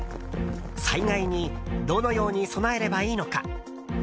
災害にどのように備えればいいのか？